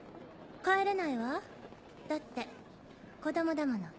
帰れないわだって子供だもの。